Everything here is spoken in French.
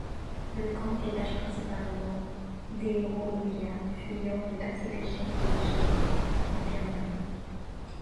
Le camp héberge principalement des Rohingya fuyant les persécutions des musulmans en Birmanie.